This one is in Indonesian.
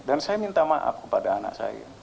dan saya minta maaf kepada anak saya